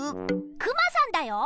クマさんだよ！